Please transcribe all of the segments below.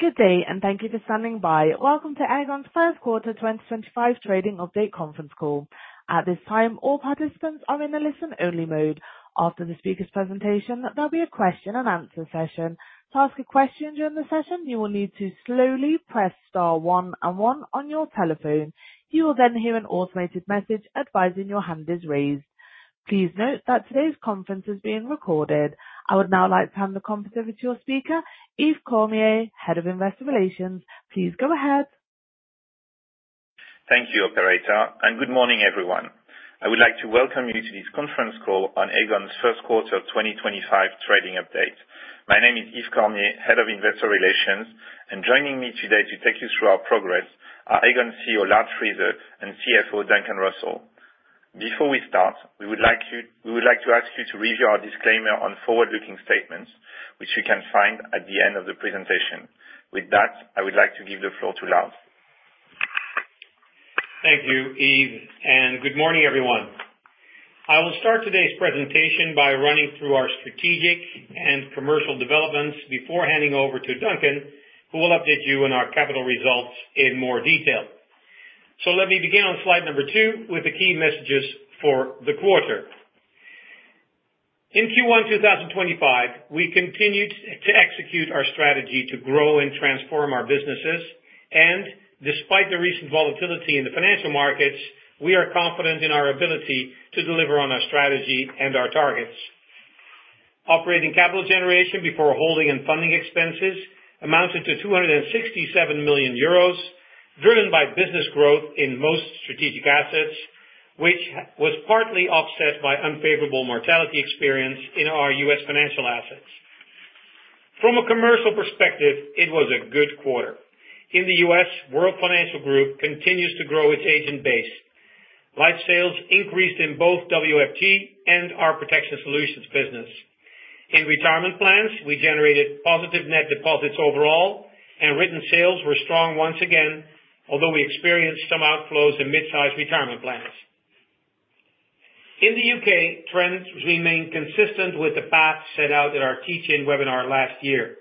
Good day, and thank you for standing by. Welcome to Aegon's first quarter 2025 trading update conference call. At this time, all participants are in a listen-only mode. After the speaker's presentation, there'll be a question-and-answer session. To ask a question during the session, you will need to slowly press star one and one on your telephone. You will then hear an automated message advising your hand is raised. Please note that today's conference is being recorded. I would now like to hand the conference over to your speaker, Yves Cormier, Head of Investor Relations. Please go ahead. Thank you, operator. Good morning, everyone. I would like to welcome you to this conference call on Aegon's first quarter 2025 trading update. My name is Yves Cormier, Head of Investor Relations. Joining me today to take you through our progress are Aegon CEO, Lard Friese, and CFO, Duncan Russell. Before we start, we would like to ask you to read our disclaimer on forward-looking statements, which you can find at the end of the presentation. With that, I would like to give the floor to Lard. Thank you, Yves. Good morning, everyone. I will start today's presentation by running through our strategic and commercial developments before handing over to Duncan, who will update you on our capital results in more detail. Let me begin on slide number number with the key messages for the quarter. In Q1 2025, we continued to execute our strategy to grow and transform our businesses, and despite the recent volatility in the financial markets, we are confident in our ability to deliver on our strategy and our targets. Operating capital generation before holding and funding expenses amounted to 267 million euros, driven by business growth in most strategic assets, which was partly offset by unfavorable mortality experience in our U.S. financial assets. From a commercial perspective, it was a good quarter. In the U.S., World Financial Group continues to grow its agent base. Life sales increased in both WFG and our Protection Solutions business. In retirement plans, we generated positive net deposits overall, and written sales were strong once again, although we experienced some outflows in mid-sized retirement plans. In the U.K., trends remain consistent with the path set out at our teaching webinar last year.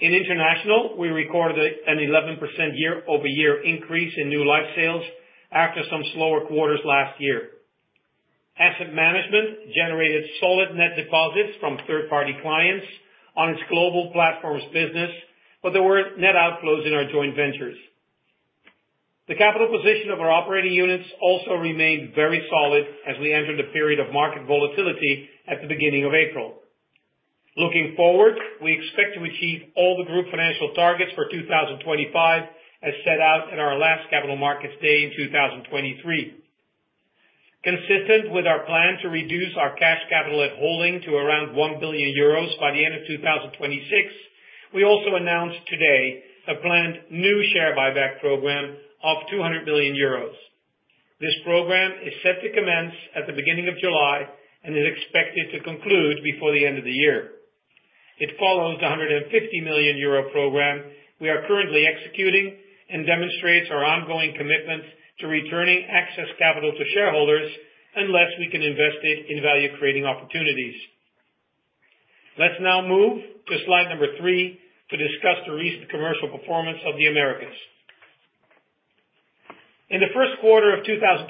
In international, we recorded an 11% year-over-year increase in new life sales after some slower quarters last year. Asset management generated solid net deposits from third-party clients on its global platforms business, but there were net outflows in our joint ventures. The capital position of our operating units also remained very solid as we entered a period of market volatility at the beginning of April. Looking forward, we expect to achieve all the group financial targets for 2025, as set out in our last capital markets day in 2023. Consistent with our plan to reduce our cash capital at holding to around 1 billion euros by the end of 2026, we also announced today a planned new share buyback program of 200 million euros. This program is set to commence at the beginning of July and is expected to conclude before the end of the year. It follows the 150 million euro program we are currently executing and demonstrates our ongoing commitment to returning excess capital to shareholders unless we can invest it in value-creating opportunities. Let's now move to slide number three to discuss the recent commercial performance of the Americas. In the first quarter of 2025,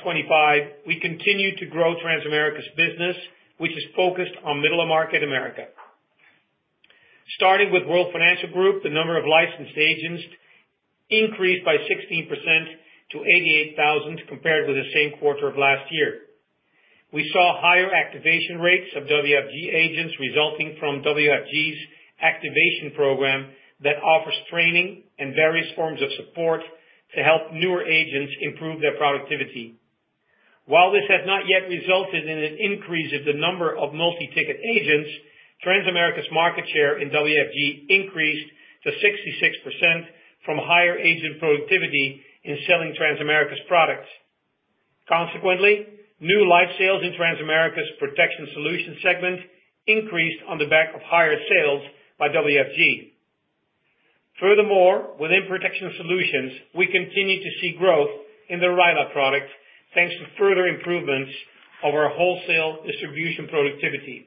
we continued to grow Transamerica's business, which is focused on middle market America. Starting with World Financial Group, the number of licensed agents increased by 16% to 88,000, compared with the same quarter of last year. We saw higher activation rates of WFG agents, resulting from WFG's activation program that offers training and various forms of support to help newer agents improve their productivity. While this has not yet resulted in an increase of the number of multi-ticket agents, Transamerica's market share in WFG increased to 66% from higher agent productivity in selling Transamerica's products. New life sales in Transamerica's Protection Solutions segment increased on the back of higher sales by WFG. Within Protection Solutions, we continue to see growth in the Rhino products, thanks to further improvements of our wholesale distribution productivity.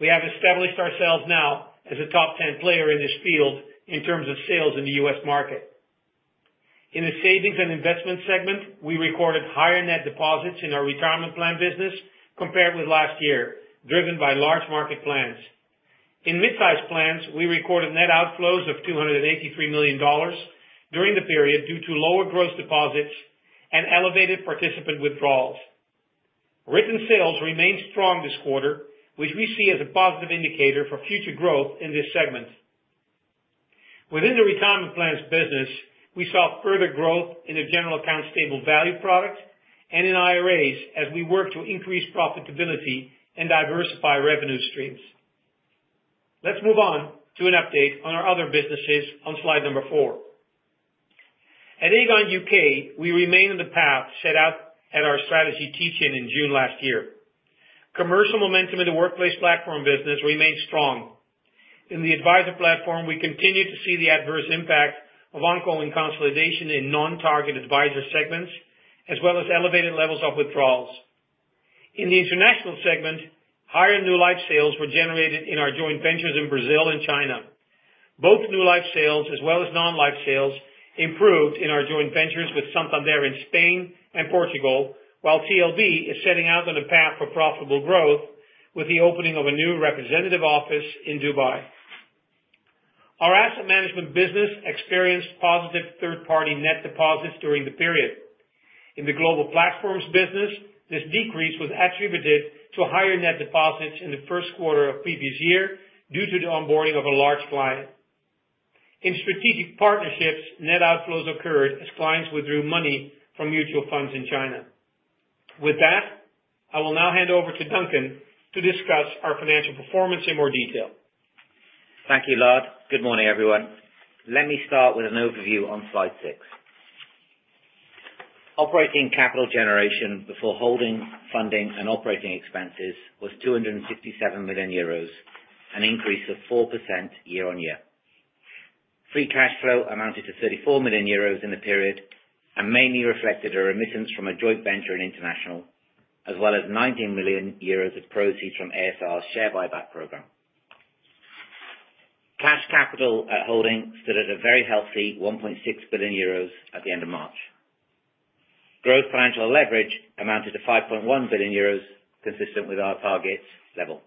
We have established ourselves now as a top 10 player in this field in terms of sales in the US market. In the savings and investment segment, we recorded higher net deposits in our retirement plan business compared with last year, driven by large market plans. In mid-sized plans, we recorded net outflows of $283 million during the period due to lower gross deposits and elevated participant withdrawals. Written sales remained strong this quarter, which we see as a positive indicator for future growth in this segment. Within the retirement plans business, we saw further growth in the general account stable value and in IRAs as we work to increase profitability and diversify revenue streams. Let's move on to an update on our other businesses on slide number four. At Aegon U.K., we remain on the path set out at our strategy teach-in, in June last year. Commercial momentum in the workplace platform business remains strong. In the advisor platform, we continue to see the adverse impact of ongoing consolidation in non-target advisor segments, as well as elevated levels of withdrawals. In the international segment, higher new life sales were generated in our joint ventures in Brazil and China. Both new life sales as well as non-life sales, improved in our joint ventures with Santander in Spain and Portugal, while TLB is setting out on a path for profitable growth with the opening of a new representative office in Dubai. Our asset management business experienced positive third-party net deposits during the period. In the global platforms business, this decrease was attributed to higher net deposits in the first quarter of previous year, due to the onboarding of a large client. In strategic partnerships, net outflows occurred as clients withdrew money from mutual funds in China. With that, I will now hand over to Duncan to discuss our financial performance in more detail. Thank you, Lard. Good morning, everyone. Let me start with an overview on slide six. Operating Capital Generation before holding, funding, and operating expenses was 267 million euros, an increase of 4% year-on-year. Free cash flow amounted to 34 million euros in the period, mainly reflected our remissions from a joint venture in international, as well as 19 million euros of proceeds from ASR's share buyback program. Cash capital at holding stood at a very healthy 1.6 billion euros at the end of March. Growth financial leverage amounted to 5.1 billion euros, consistent with our target level.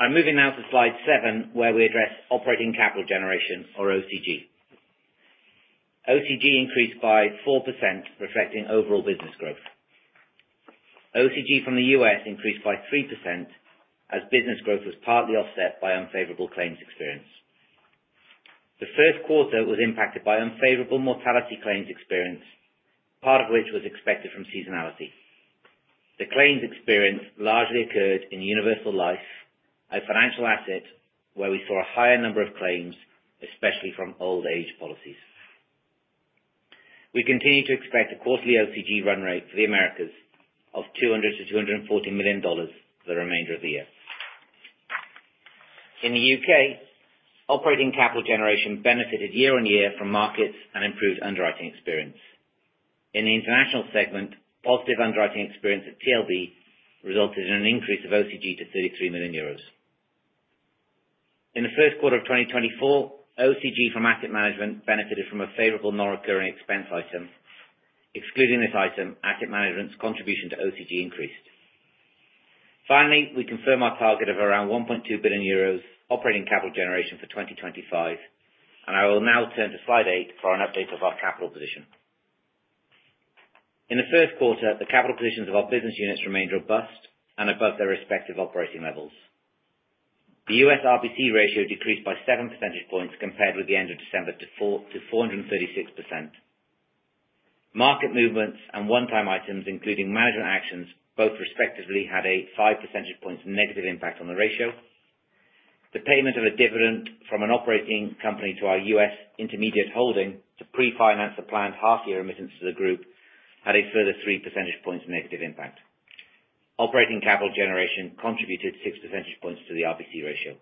I'm moving now to slide seven, where we address Operating Capital Generation, or OCG. OCG increased by 4%, reflecting overall business growth. OCG from the U.S. increased by 3%, as business growth was partly offset by unfavorable claims experience. The first quarter was impacted by unfavorable mortality claims experience, part of which was expected from seasonality. The claims experience largely occurred in Universal Life, a financial asset where we saw a higher number of claims, especially from old age policies. We continue to expect a quarterly OCG run rate for the Americas of $200 million-$240 million for the remainder of the year. In the U.K., operating capital generation benefited year-over-year from markets and improved underwriting experience. In the international segment, positive underwriting experience at TLB resulted in an increase of OCG to 33 million euros. In the first quarter of 2024, OCG from asset management benefited from a favorable, non-recurring expense item. Excluding this item, asset management's contribution to OCG increased. We confirm our target of around 1.2 billion euros operating capital generation for 2025, and I will now turn to slide eight for an update of our capital position. In the first quarter, the capital positions of our business units remained robust and above their respective operating levels. The U.S. RBC ratio decreased by 7 percentage points compared with the end of December to 436%. Market movements and one-time items, including management actions, both respectively, had a 5 percentage points negative impact on the ratio. The payment of a dividend from an operating company to our U.S. intermediate holding to pre-finance the planned half year remittance to the group, had a further 3 percentage points negative impact. Operating capital generation contributed 6 percentage points to the RBC ratio.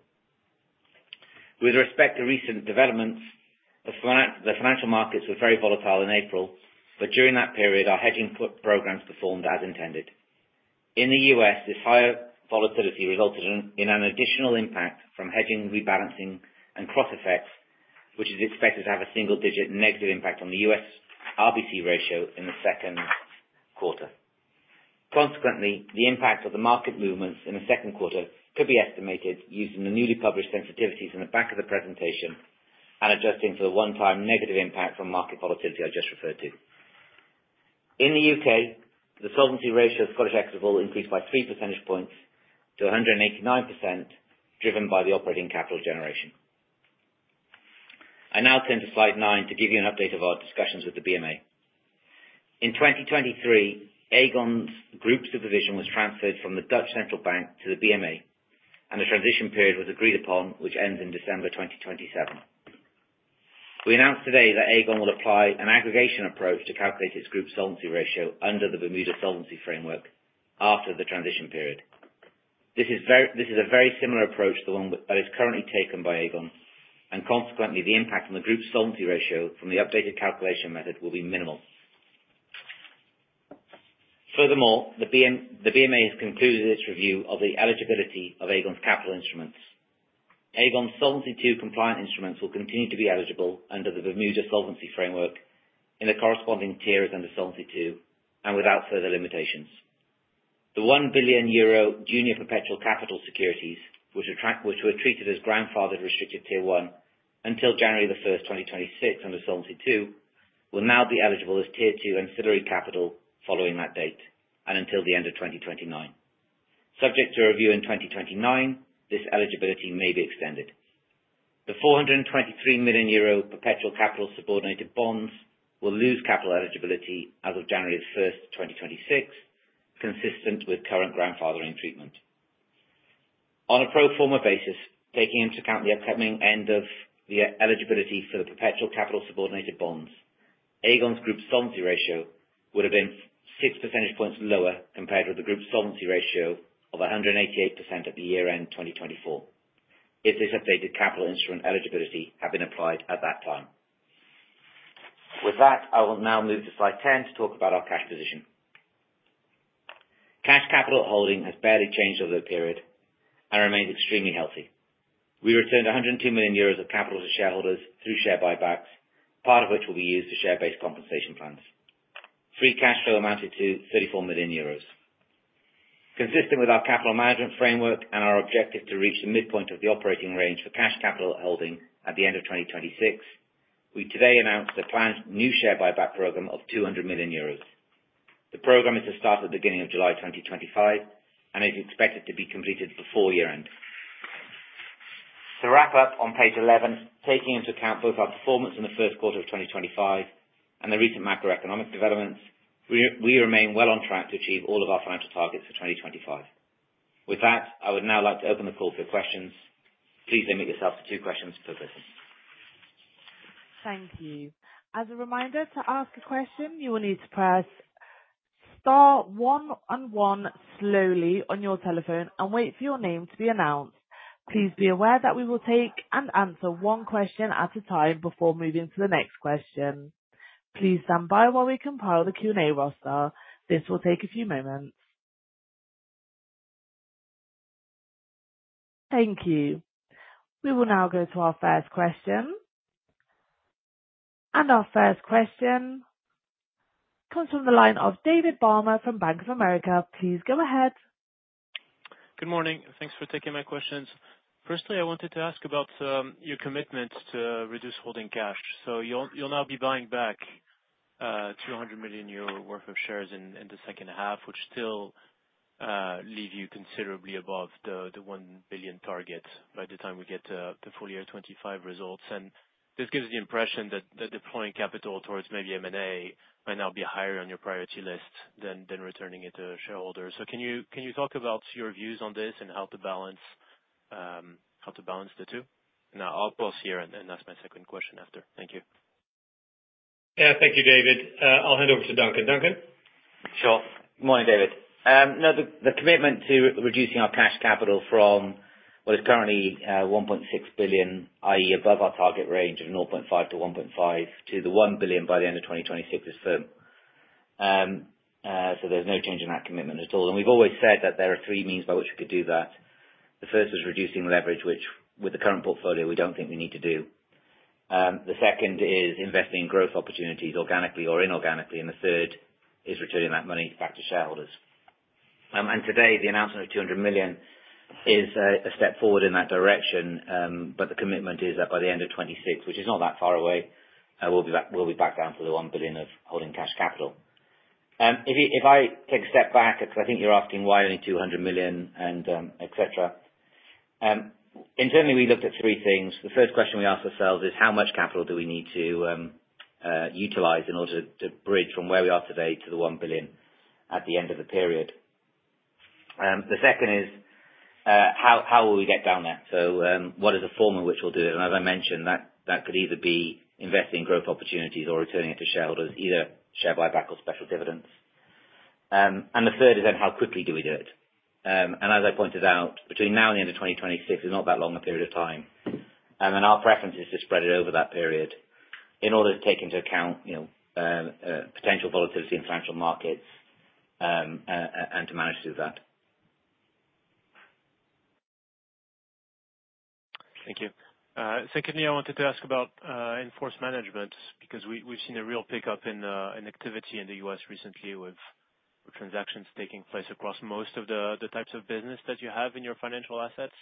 With respect to recent developments, the financial markets were very volatile in April. During that period, our hedging put programs performed as intended. In the U.S., this higher volatility resulted in an additional impact from hedging, rebalancing, and cross effects, which is expected to have a single-digit negative impact on the U.S. RBC ratio in the second quarter. The impact of the market movements in the second quarter could be estimated using the newly published sensitivities in the back of the presentation and adjusting for the one-time negative impact from market volatility I just referred to. In the U.K., the solvency ratio of Scottish Equitable increased by 3 percentage points to 189%, driven by the operating capital generation. I now turn to slide nine to give you an update of our discussions with the BMA. In 2023, Aegon's group supervision was transferred from the Dutch Central Bank to the BMA, and the transition period was agreed upon, which ends in December 2027. We announced today that Aegon will apply an aggregation approach to calculate its group solvency ratio under the Bermuda Solvency Framework after the transition period. This is a very similar approach to the one that is currently taken by Aegon, and consequently, the impact on the group's solvency ratio from the updated calculation method will be minimal. Furthermore, the BMA has concluded its review of the eligibility of Aegon's capital instruments. Aegon Solvency II compliant instruments will continue to be eligible under the Bermuda Solvency Framework in the corresponding tiers under Solvency II, and without further limitations. The 1 billion euro Junior Perpetual Capital Securities, which attract. Which were treated as grandfathered restricted Tier 1 until January the first, 2026, under Solvency II, will now be eligible as Tier 2 ancillary capital following that date and until the end of 2029. Subject to review in 2029, this eligibility may be extended. The 423 million euro Perpetual Capital Subordinated Bonds will lose capital eligibility as of January the first, 2026, consistent with current grandfathering treatment. On a pro forma basis, taking into account the upcoming end of the eligibility for the Perpetual Capital Subordinated Bonds, Aegon's group solvency ratio would have been six percentage points lower compared with the group's solvency ratio of 188% at the year-end 2024, if this updated capital instrument eligibility had been applied at that time. With that, I will now move to slide 10 to talk about our cash position. Cash capital holding has barely changed over the period and remains extremely healthy. We returned 102 million euros of capital to shareholders through share buybacks, part of which will be used for share-based compensation plans. Free cash flow amounted to 34 million euros. Consistent with our capital management framework and our objective to reach the midpoint of the operating range for cash capital holding at the end of 2026, we today announced a planned new share buyback program of 200 million euros. The program is to start at the beginning of July 2025, and is expected to be completed before year-end. To wrap up on page 11, taking into account both our performance in the first quarter of 2025 and the recent macroeconomic developments, we remain well on track to achieve all of our financial targets for 2025. With that, I would now like to open the call for questions. Please limit yourself to two questions per person. Thank you. As a reminder, to ask a question, you will need to press star one and one slowly on your telephone and wait for your name to be announced. Please be aware that we will take and answer one question at a time before moving to the next question. Please stand by while we compile the Q&A roster. This will take a few moments. Thank you. We will now go to our first question. Our first question comes from the line of David Barma from Bank of America. Please go ahead. Good morning, and thanks for taking my questions. Firstly, I wanted to ask about your commitment to reduce holding cash. You'll now be buying back 200 million euro worth of shares in the second half, which still leave you considerably above the 1 billion target by the time we get to the full year 2025 results. This gives the impression that deploying capital towards maybe M&A might now be higher on your priority list than returning it to shareholders. Can you talk about your views on this and how to balance how to balance the two? I'll pause here and ask my second question after. Thank you. Yeah, thank you, David. I'll hand over to Duncan. Duncan? Sure. Morning, David. No, the commitment to reducing our cash capital from what is currently, 1.6 billion, i.e., above our target range of 0.5 billion-1.5 billion, to the 1 billion by the end of 2026 is firm. There's no change in that commitment at all. We've always said that there are three means by which we could do that. The first is reducing leverage, which with the current portfolio, we don't think we need to do. The second is investing in growth opportunities, organically or inorganically, and the third is returning that money back to shareholders. Today, the announcement of 200 million is a step forward in that direction. The commitment is that by the end of 2026, which is not that far away, we'll be back down to the 1 billion of holding cash capital. If I take a step back, because I think you're asking why only 200 million and et cetera. Internally, we looked at three things. The first question we asked ourselves is how much capital do we need to utilize in order to bridge from where we are today to the 1 billion at the end of the period? The second is how will we get down there? What is the form in which we'll do it? As I mentioned, that could either be investing in growth opportunities or returning it to shareholders, either share buyback or special dividends. The third is then how quickly do we do it? As I pointed out, between now and the end of 2026 is not that long a period of time. Our preference is to spread it over that period in order to take into account, you know, potential volatility in financial markets, and to manage through that. Thank you. Secondly, I wanted to ask about in-force management, because we've seen a real pickup in activity in the U.S. recently with transactions taking place across most of the types of business that you have in your financial assets.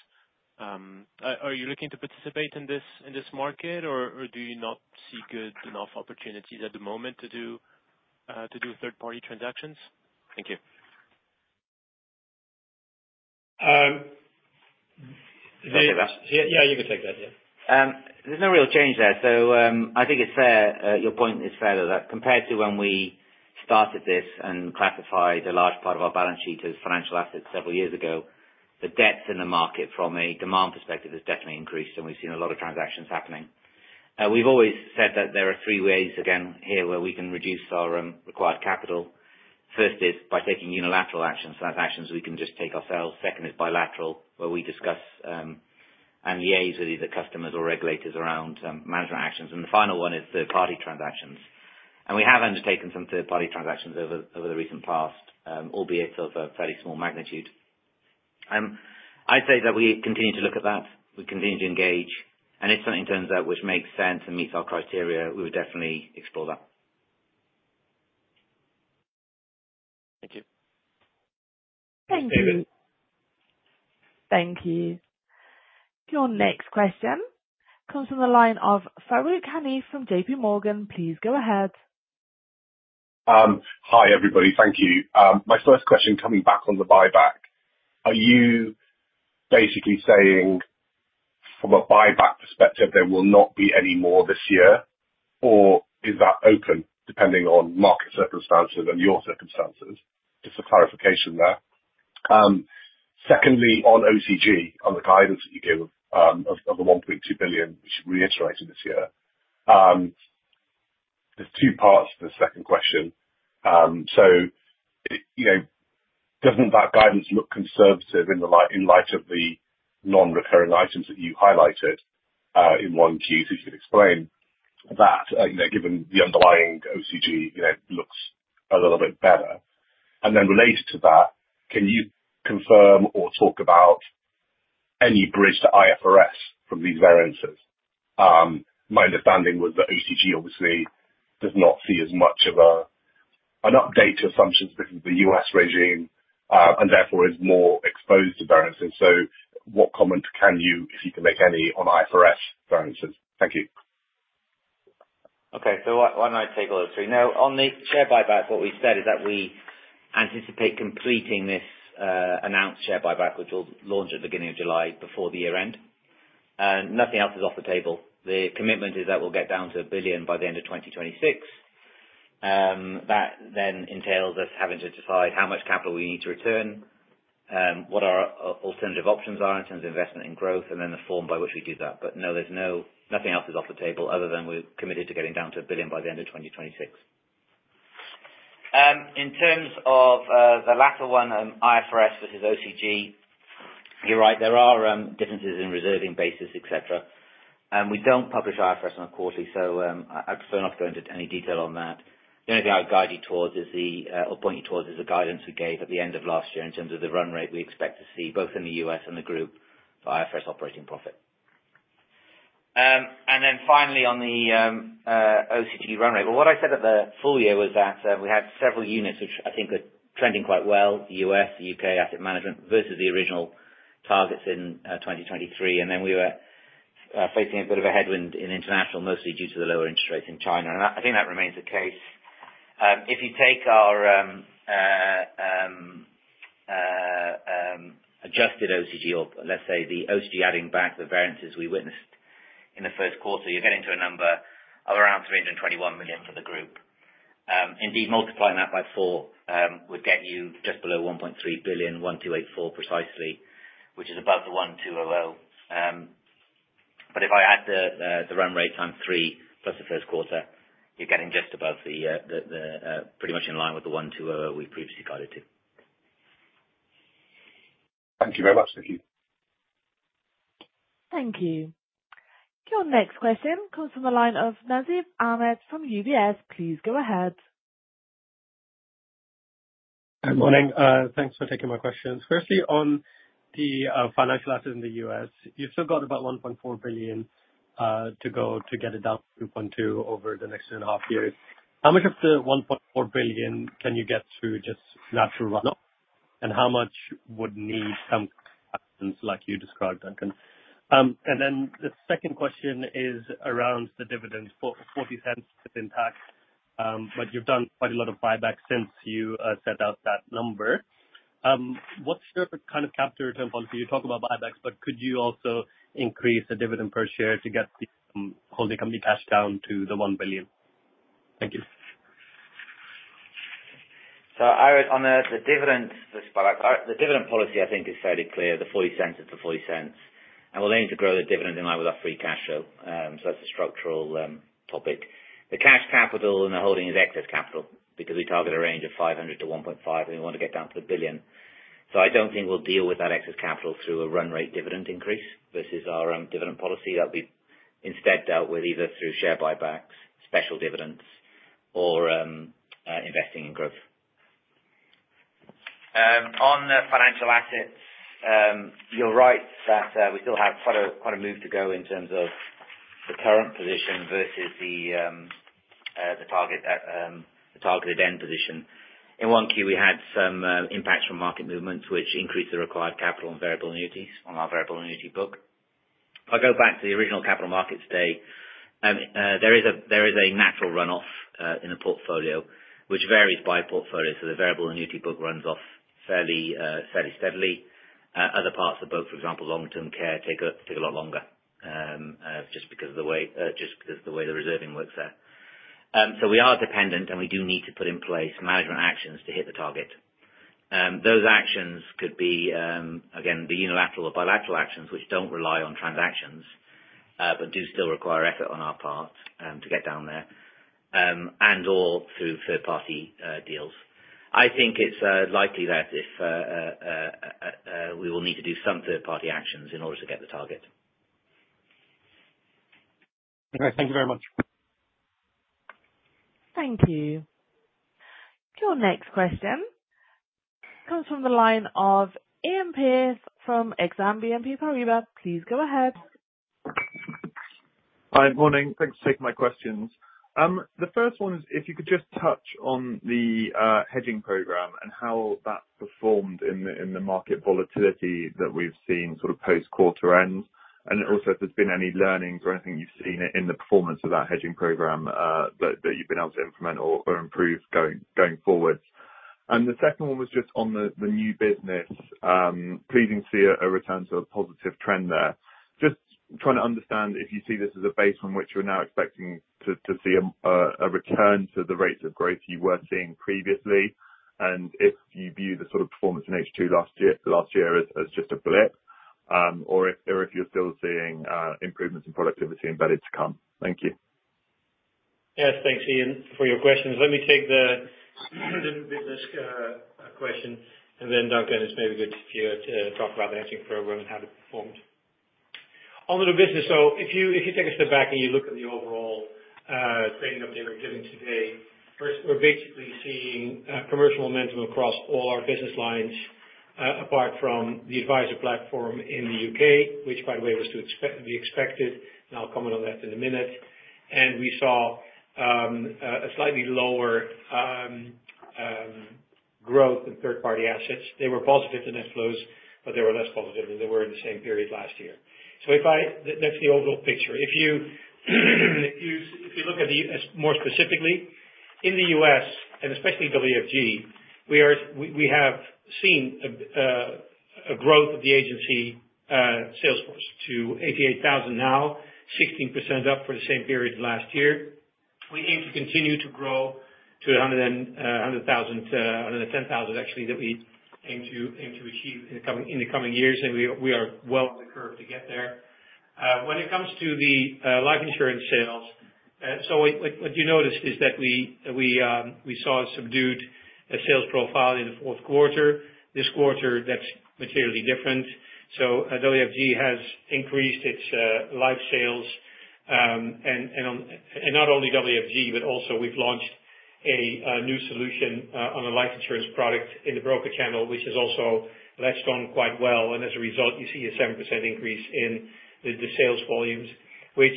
Are you looking to participate in this market, or do you not see good enough opportunities at the moment to do third-party transactions? Thank you. Go ahead, Lard. Yeah, you can take that, yeah. There's no real change there, so I think it's fair, your point is fair that compared to when we started this and classified a large part of our balance sheet as financial assets several years ago, the depth in the market from a demand perspective has definitely increased, and we've seen a lot of transactions happening. We've always said that there are three ways, again, here, where we can reduce our required capital. First is by taking unilateral actions, so that's actions we can just take ourselves. Second is bilateral, where we discuss and liaise with either customers or regulators around management actions. The final one is third-party transactions. We have undertaken some third-party transactions over the recent past, albeit of a fairly small magnitude. I'd say that we continue to look at that, we continue to engage, and if something turns out which makes sense and meets our criteria, we would definitely explore that. Thank you. Thank you. Thank you. Your next question comes from the line of Farooq Hanif from JPMorgan. Please go ahead. Hi, everybody. Thank you. My first question, coming back on the buyback: Are you basically saying, from a buyback perspective, there will not be any more this year, or is that open depending on market circumstances and your circumstances? Just a clarification there. Secondly, on OCG, on the guidance that you gave, of the 1.2 billion, which you reiterated this year. There's two parts to the second question. You know, doesn't that guidance look conservative in light of the non-recurring items that you highlighted in 1Q, if you could explain that, you know, given the underlying OCG, you know, looks a little bit better. Related to that, can you confirm or talk about any bridge to IFRS from these variances? My understanding was that ACG obviously does not see as much of a, an update to assumptions between the U.S. regime, and therefore is more exposed to variances. What comment can you, if you can make any, on IFRS variances? Thank you. Why don't I take all three? On the share buyback, what we said is that we anticipate completing this announced share buyback, which will launch at the beginning of July, before the year end. Nothing else is off the table. The commitment is that we'll get down to 1 billion by the end of 2026. That then entails us having to decide how much capital we need to return, what our alternative options are in terms of investment and growth, and then the form by which we do that. No, nothing else is off the table, other than we're committed to getting down to 1 billion by the end of 2026. In terms of the latter one, IFRS versus OCG, you're right, there are differences in reserving basis, etc, and we don't publish IFRS on a quarterly, so I prefer not to go into any detail on that. The only thing I would guide you towards is the guidance we gave at the end of last year in terms of the run rate we expect to see, both in the U.S. and the group, for IFRS operating profit. Finally, on the OCG run rate. Well, what I said at the full year was that we had several units, which I think are trending quite well, the U.S., the U.K., asset management, versus the original targets in 2023. Then we were facing a bit of a headwind in international, mostly due to the lower interest rates in China. I think that remains the case. If you take our adjusted OCG or let's say the OCG, adding back the variances we witnessed in the first quarter, you're getting to a number of around 321 million for the group. Indeed, multiplying that by four would get you just below 1.3 billion, 1,284 precisely, which is above 1,200. If I add the run rate times three, plus the first quarter, you're getting just above the pretty much in line with 1,200 we previously guided to. Thank you very much. Thank you. Thank you. Your next question comes from the line of Nasib Ahmed from UBS. Please go ahead. Good morning. Thanks for taking my questions. Firstly, on the financial assets in the U.S., you've still got about 1.4 billion to go to get it down to 2.2 over the next 2.5 years. How much of the 1.4 billion can you get through just natural runoff? How much would need some like you described, Duncan? The second question is around the dividend, for EUR 0.40 it's impact, you've done quite a lot of buybacks since you set out that number. What's your kind of capital return policy? You talk about buybacks, could you also increase the dividend per share to get the holding company cash down to the 1 billion? Thank you. I would honor the dividend this part. The dividend policy, I think, is fairly clear. The 0.40 is the 0.40, and we're looking to grow the dividend in line with our free cash flow. That's a structural topic. The cash capital in the holding is excess capital, because we target a range of 500 million to 1.5 billion, and we want to get down to 1 billion. I don't think we'll deal with that excess capital through a run rate dividend increase versus our dividend policy. That'll be instead dealt with either through share buybacks, special dividends, or investing in growth. On the financial assets, you're right that we still have quite a move to go in terms of the current position versus the target at the targeted end position. In 1Q, we had some impacts from market movements, which increased the required capital and variable annuities on our variable annuity book. If I go back to the original capital markets day, there is a natural runoff in the portfolio, which varies by portfolio. The variable annuity book runs off fairly steadily. Other parts of the book, for example, long-term care, take a lot longer, just because the way the reserving works there. We are dependent, and we do need to put in place management actions to hit the target. Those actions could be, again, be unilateral or bilateral actions, which don't rely on transactions, but do still require effort on our part to get down there, and/or through third-party deals. I think it's likely that if we will need to do some third-party actions in order to get the target. Great. Thank you very much. Thank you. Your next question comes from the line of Iain Pearce from Exane BNP Paribas. Please go ahead. Hi. Morning. Thanks for taking my questions. The first one is if you could just touch on the hedging program and how that's performed in the market volatility that we've seen sort of post-quarter end. Also if there's been any learnings or anything you've seen in the performance of that hedging program that you've been able to implement or improve going forward. The second one was just on the new business. Pleasing to see a return to a positive trend there. Just trying to understand if you see this as a base on which you're now expecting to see a return to the rates of growth you were seeing previously, and if you view the sort of performance in H2 last year as just a blip or if you're still seeing, improvements in productivity embedded to come? Thank you. Yes, thanks, Iain, for your questions. Let me take the business question, and then Duncan, it's maybe good for you to talk about the hedging program and how it performed. On the new business, if you take a step back and you look at the overall trading update we're giving today, first, we're basically seeing commercial momentum across all our business lines, apart from the advisor platform in the U.K., which by the way was to be expected, and I'll comment on that in a minute. We saw a slightly lower growth in third party assets. They were positive in net flows, but they were less positive than they were in the same period last year. That's the overall picture. If you, if you look at the, as more specifically, in the U.S. and especially WFG, we have seen a growth of the agency sales force to 88,000 now, 16% up for the same period last year. We aim to continue to grow to 110,000 actually, that we aim to achieve in the coming years, and we are well on the curve to get there. When it comes to the life insurance sales, so what, like, what you noticed is that we saw a subdued sales profile in the fourth quarter. This quarter, that's materially different. WFG has increased its life sales. Not only WFG, but also we've launched a new solution on a life insurance product in the broker channel, which has also gone quite well. As a result, you see a 7% increase in the sales volumes, which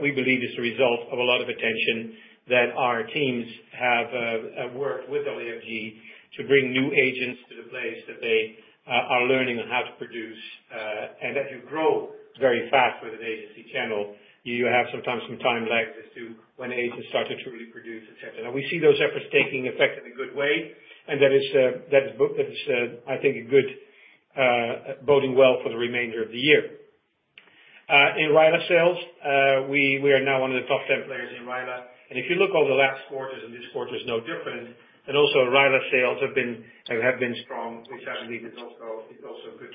we believe is the result of a lot of attention that our teams have worked with WFG to bring new agents to the place that they are learning on how to produce. As you grow very fast with an agency channel, you have sometimes some time lags as to when agents start to truly produce, et cetera. Now, we see those efforts taking effect in a good way, and that is, I think, a good boding well for the remainder of the year. In RILA sales, we are now one of the top 10 players in RILA. If you look over the last quarters, this quarter is no different, RILA sales have been strong, which I believe is also good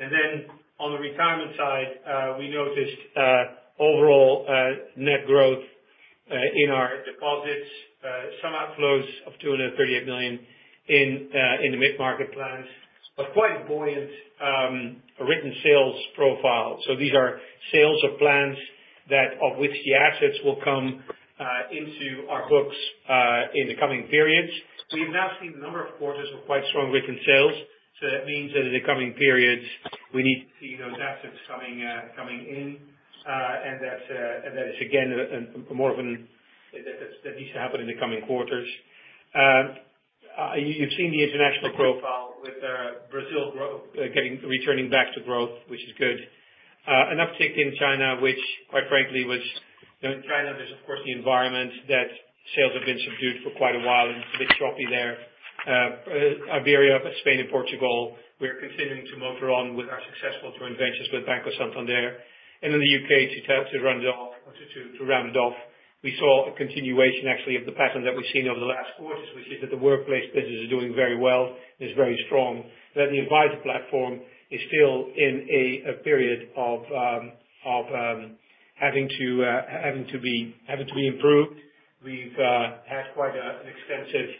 momentum. On the retirement side, we noticed overall net growth in our deposits. Some outflows of 238 million in the mid-market plans, quite a buoyant written sales profile. These are sales of plans that, of which the assets will come into our books in the coming periods. We have now seen a number of quarters of quite strong written sales, so that means that in the coming periods, we need to see those assets coming in, and that is again, that needs to happen in the coming quarters. You've seen the international profile with Brazil growth, getting, returning back to growth, which is good. An uptick in China, which quite frankly was. In China, there's of course, the environment that sales have been subdued for quite a while, and it's a bit choppy there. Iberia, Spain and Portugal, we're continuing to motor on with our successful joint ventures with Banco Santander. In the U.K., to round it off, we saw a continuation actually of the pattern that we've seen over the last quarters, which is that the workplace business is doing very well, and it's very strong, that the advisor platform is still in a period of having to be improved. We've had quite an extensive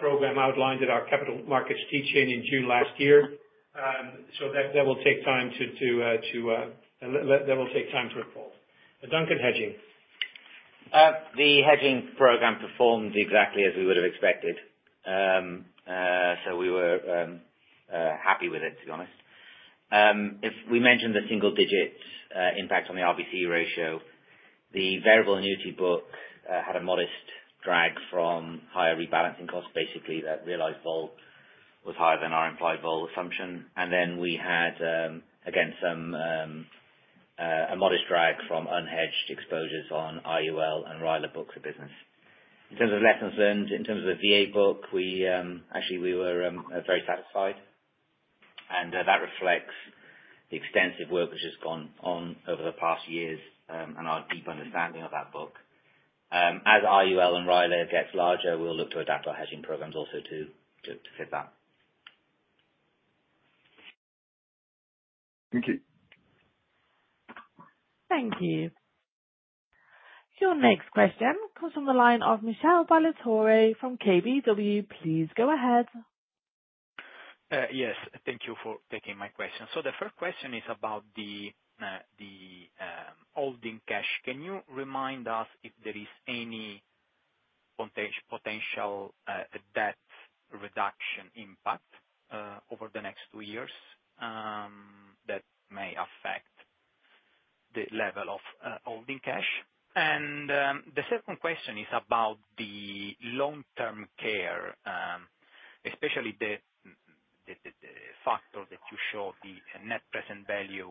program outlined at our capital markets teaching in June last year. That will take time to report. Duncan, hedging. The hedging program performed exactly as we would have expected. We were happy with it, to be honest. If we mentioned the single digits, impact on the RBC ratio, the variable annuity book had a modest drag from higher rebalancing costs, basically, that realized vol was higher than our implied vol assumption. Then we had again some a modest drag from unhedged exposures on IUL and RILA books of business. In terms of lessons learned, in terms of the VA book, we actually, we were very satisfied, and that reflects the extensive work that has gone on over the past years, and our deep understanding of that book. As IUL and RILA gets larger, we'll look to adapt our hedging programs also to fit that. Thank you. Thank you. Your next question comes from the line of Michael Huttner from KBW. Please go ahead. Yes, thank you for taking my question. The first question is about the holding cash. Can you remind us if there is any potential debt reduction impact over the next two years that may affect the level of holding cash? The second question is about the long-term care, especially the factor that you show the net present value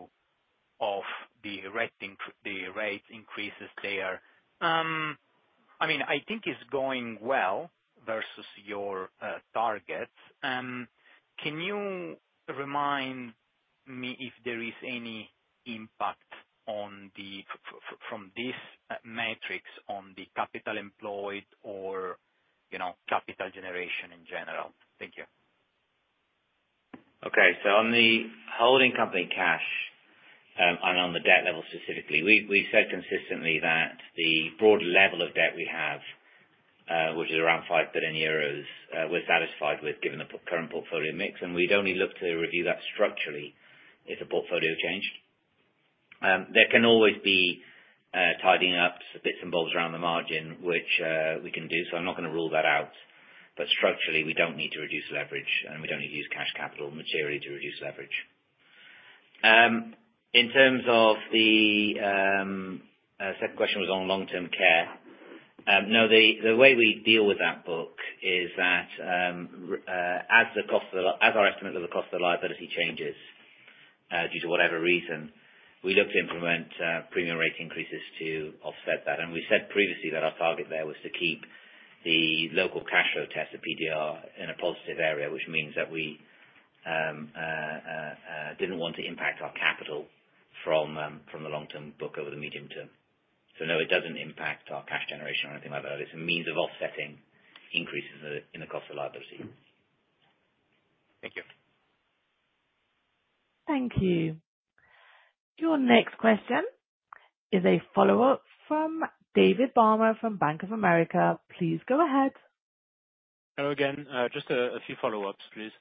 of the rate increases there. I mean, I think it's going well versus your targets. Can you remind me if there is any impact on the from this metrics on the capital employed or you know, capital generation in general? Thank you. Okay. On the holding company cash, and on the debt level specifically, we said consistently that the broad level of debt we have, which is around 5 billion euros, we're satisfied with, given the current portfolio mix, and we'd only look to review that structurally if the portfolio changed. There can always be tidying up some bits and bobs around the margin, which we can do, so I'm not going to rule that out. Structurally, we don't need to reduce leverage, and we don't need to use cash capital materially to reduce leverage. In terms of the second question was on long-term care. No, the way we deal with that book is that as our estimate of the cost of the liability changes due to whatever reason, we look to implement premium rate increases to offset that. We said previously that our target there was to keep the local cash flow test, the PDR, in a positive area, which means that we didn't want to impact our capital from the long-term book over the medium term. No, it doesn't impact our cash generation or anything like that. It's a means of offsetting increases in the cost of liability. Thank you. Thank you. Your next question is a follow-up from David Barma from Bank of America. Please go ahead. Hello again. Just a few follow-ups, please.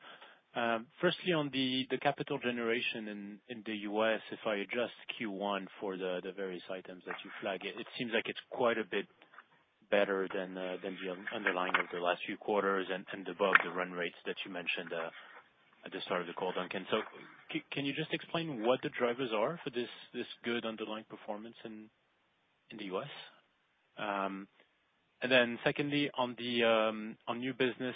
Firstly, on the capital generation in the US, if I adjust Q1 for the various items that you flagged, it seems like it's quite a bit better than the underlying of the last few quarters and above the run rates that you mentioned at the start of the call, Duncan. Can you just explain what the drivers are for this good underlying performance in the US? Secondly, on the new business,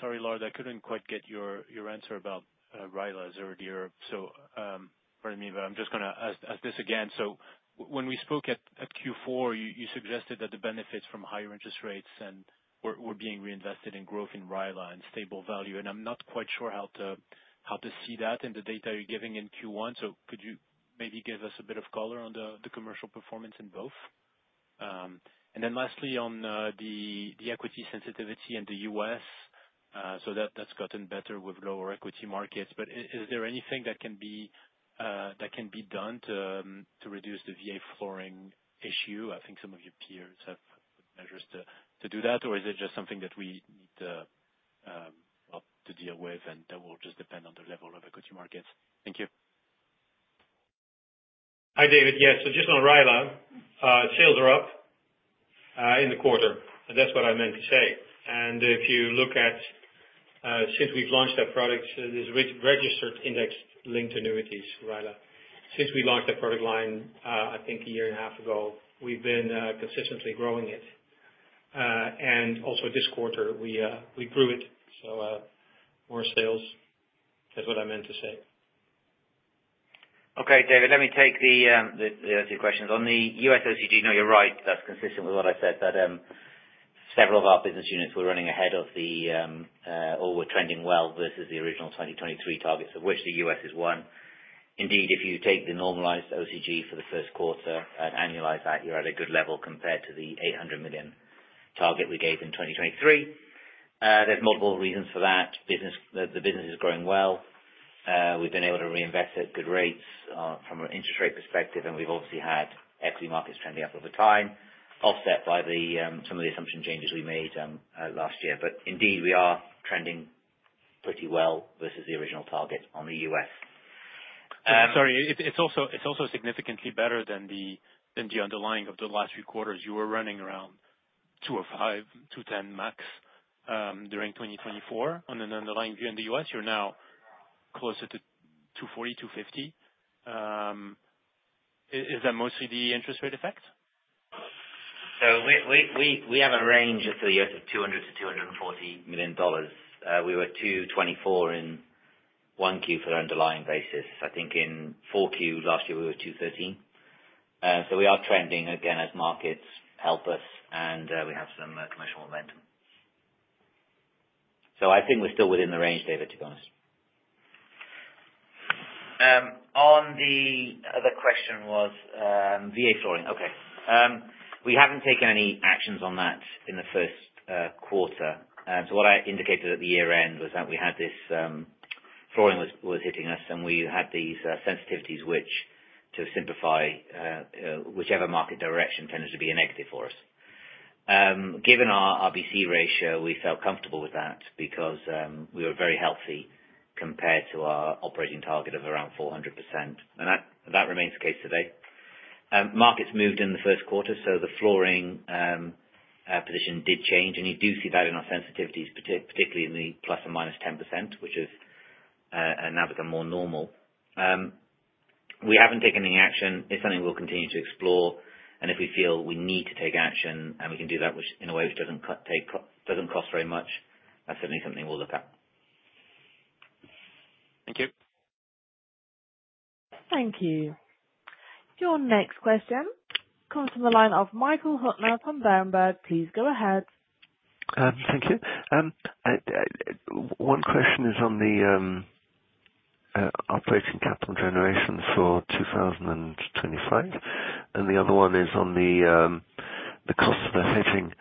sorry, Lard, I couldn't quite get your answer about RILA earlier. Pardon me, but I'm just gonna ask this again. When we spoke at Q4, you suggested that the benefits from higher interest rates and... were being reinvested in growth in RILA and stable value, I'm not quite sure how to see that in the data you're giving in Q1. Could you maybe give us a bit of color on the commercial performance in both? Lastly, on the equity sensitivity in the U.S., that's gotten better with lower equity markets, is there anything that can be done to reduce the VA flooring issue? I think some of your peers have measures to do that, or is it just something that we need to deal with, and that will just depend on the level of equity markets? Thank you. Hi, David. Yeah, just on RILA, sales are up in the quarter. That's what I meant to say. If you look at since we've launched our products, there's registered index-linked annuities, RILA. Since we launched that product line, I think a year and a half ago, we've been consistently growing it. Also this quarter, we grew it. More sales. That's what I meant to say. Okay, David, let me take the other two questions. On the US OCG, no, you're right. That's consistent with what I said, that several of our business units were running ahead of the, or were trending well versus the original 2023 targets, of which the US is one. Indeed, if you take the normalized OCG for the first quarter and annualize that, you're at a good level compared to the 800 million target we gave in 2023. There's multiple reasons for that. The business is growing well. We've been able to reinvest at good rates, from an interest rate perspective, and we've obviously had equity markets trending up over time, offset by some of the assumption changes we made last year. Indeed, we are trending pretty well versus the original target on the U.S. Sorry, it's also significantly better than the underlying of the last few quarters. You were running around 205-210 max during 2024. On an underlying view in the U.S., you're now closer to 240, 250. Is that mostly the interest rate effect? We have a range for the years of $200 million-$240 million. We were $224 in 1Q for our underlying basis. I think in 4Q last year, we were $213. We are trending again as markets help us, and we have some commercial momentum. I think we're still within the range, David, to be honest. On the other question was VA flooring. We haven't taken any actions on that in the first quarter. What I indicated at the year-end was that we had this flooring was hitting us, and we had these sensitivities which, to simplify, whichever market direction tended to be a negative for us. Given our RBC ratio, we felt comfortable with that because we were very healthy compared to our operating target of around 400%. That remains the case today. Markets moved in the first quarter, the flooring position did change, and you do see that in our sensitivities, particularly in the ±10%, which is now become more normal. We haven't taken any action. It's something we'll continue to explore, if we feel we need to take action, we can do that, which in a way, which doesn't cost very much, that's certainly something we'll look at. Thank you. Thank you. Your next question comes from the line of Michael Huttner from Berenberg. Please go ahead. Thank you. One question is on the operating capital generation for 2025, and the other one is on the cost of hedging.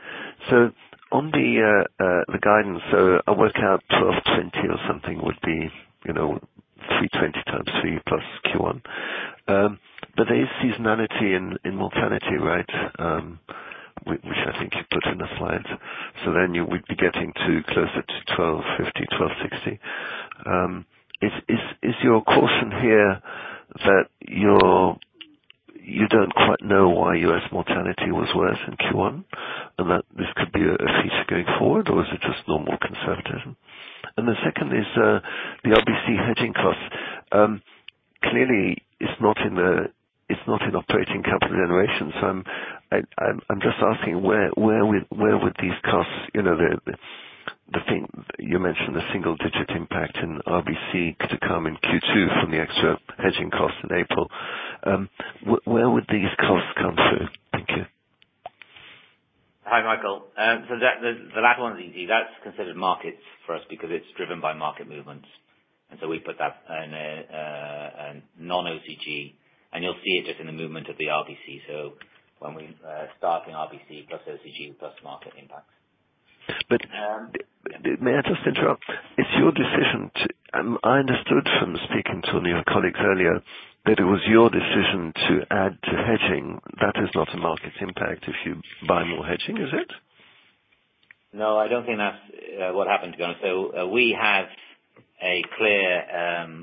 On the guidance, I work out 1,220 or something would be, you know, 320 * 3 + Q1. There is seasonality in mortality, right? Which I think you put in the slides. Then you would be getting to closer to 1,250, 1,260. Is your caution here that you don't quite know why U.S. mortality was worse in Q1, and that this could be a feature going forward, or is it just normal conservatism? The second is the RBC hedging costs. Clearly, it's not in operating capital generations. I'm just asking where would these costs, you know. You mentioned the single digit impact in RBC to come in Q2 from the extra hedging costs in April. Where would these costs come through? Thank you. Hi, Michael. That, the latter one is easy. That's considered markets for us because it's driven by market movements, we put that in a non-OCG, and you'll see it just in the movement of the RBC. When we starting RBC plus OCG, plus market impacts. But, may I just interrupt? It's your decision to, I understood from speaking to one of your colleagues earlier, that it was your decision to add to hedging. That is not a market impact if you buy more hedging, is it? No, I don't think that's what happened, to be honest. We have a clear,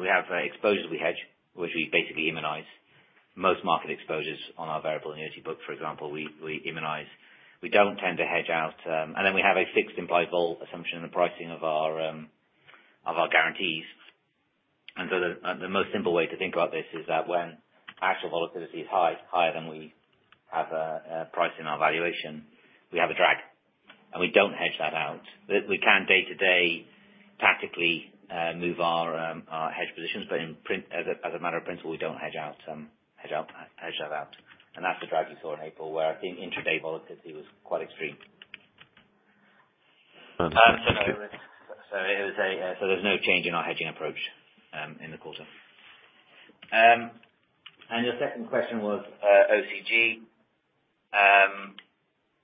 we have exposures we hedge, which we basically immunize. Most market exposures on our variable annuity book, for example, we immunize. We don't tend to hedge out. Then we have a fixed implied vol assumption in the pricing of our of our guarantees. The most simple way to think about this is that when actual volatility is high, higher than we have priced in our valuation, we have a drag, and we don't hedge that out. We can day-to-day, tactically, move our hedge positions, but as a matter of principle, we don't hedge out, hedge that out. That's the drag you saw in April, where I think intraday volatility was quite extreme. Understood. There's no change in our hedging approach in the quarter. Your second question was OCG.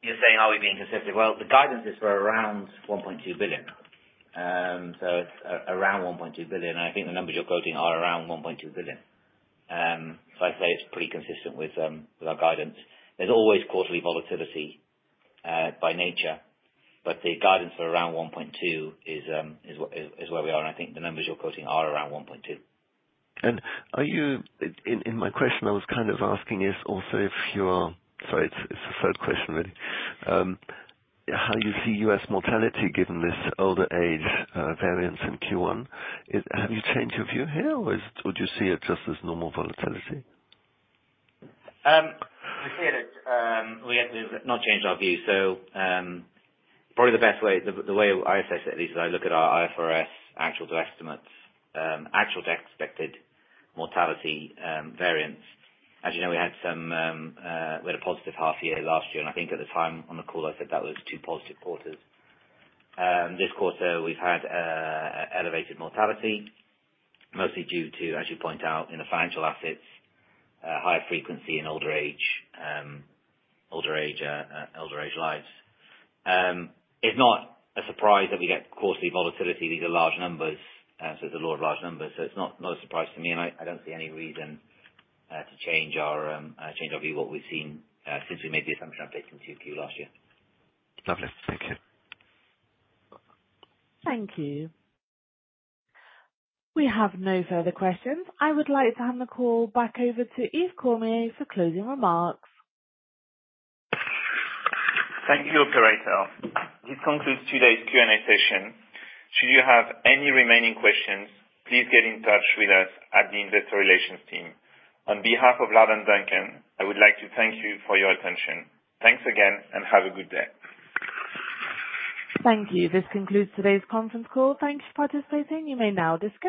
You're saying, are we being conservative? Well, the guidances were around 1.2 billion. It's around 1.2 billion. I think the numbers you're quoting are around 1.2 billion. I'd say it's pretty consistent with our guidance. There's always quarterly volatility by nature, but the guidance for around 1.2 is what, is where we are, and I think the numbers you're quoting are around 1.2. In my question, I was kind of asking is also. Sorry, it's the third question, really. How you see US mortality given this older age variance in Q1? Have you changed your view here, or is it, would you see it just as normal volatility? We see it as, we have not changed our view, so, probably the best way, the way I assess it, at least I look at our IFRS actuals to estimates, actual to expected mortality variance. As you know, we had some, we had a positive half year last year, and I think at the time, on the call, I said that was two positive quarters. This quarter, we've had elevated mortality, mostly due to, as you point out, in the financial assets, higher frequency in older age lives. It's not a surprise that we get quarterly volatility. These are large numbers, so it's a lot of large numbers. It's not a surprise to me, I don't see any reason to change our view what we've seen since we made the assumption update in Q2 last year. Lovely. Thank you. Thank you. We have no further questions. I would like to hand the call back over to Yves Cormier for closing remarks. Thank you, operator. This concludes today's Q&A session. Should you have any remaining questions, please get in touch with us at the investor relations team. On behalf of Lard and Duncan, I would like to thank you for your attention. Thanks again. Have a good day. Thank you. This concludes today's conference call. Thank you for participating. You may now disconnect.